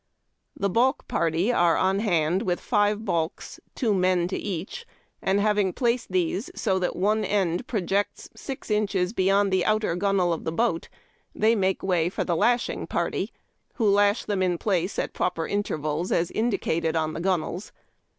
The balk parti/ are on hand with five balks, two men to each, and having placed these so that one end projects six inches beyond the outer gunwale of ABMV IWAD AND BRIDGE BUILDERS. 387 the l)oat, they make way for the lashmg parti/, who hash them in phace at proper intervals as indicated on the gun wales.